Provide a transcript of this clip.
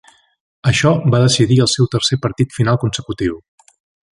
Això va decidir el seu tercer partit final consecutiu.